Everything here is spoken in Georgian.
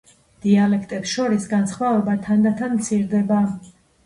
დიალექტებს შორის განსხვავება თანდათან მცირდება.